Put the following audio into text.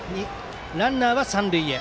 ランナーは三塁へ。